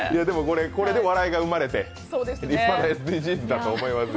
これで笑いが生まれて、立派なＳＤＧｓだと思います。